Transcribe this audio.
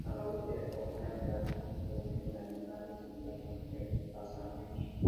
Al oeste, otra entrada une la nave central con el basamento.